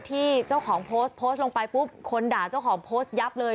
ที่เจ้าของโพสต์โพสต์ลงไปปุ๊บคนด่าเจ้าของโพสต์ยับเลย